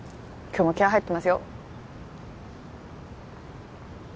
今日も気合入ってますよ